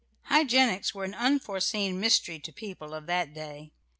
Hygienics were an unforeseen mystery to people of that day.